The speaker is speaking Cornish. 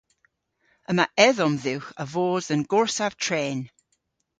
Yma edhom dhywgh a vos dhe'n gorsav tren.